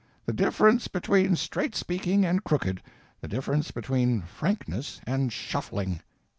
The difference between straight speaking and crooked; the difference between frankness and shuffling.